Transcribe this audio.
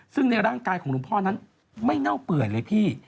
ซึ่งในร่างกายของหลวงพ่อนั้นไม่เน่าเปื่อยเลยพี่